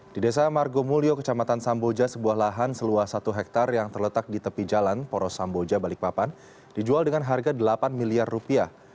di desa margomulyo kecamatan samboja sebuah lahan seluas satu hektare yang terletak di tepi jalan poros samboja balikpapan dijual dengan harga delapan miliar rupiah